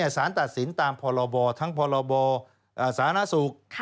สารตัดสินตามพรบทั้งพรบสาธารณสุข